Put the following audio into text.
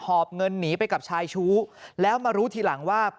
อบเงินหนีไปกับชายชู้แล้วมารู้ทีหลังว่า